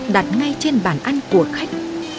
đặt ngay trên bàn ăn của khách